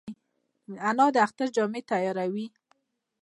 انا د اختر جامې تیاروي